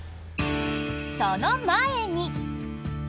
その前に。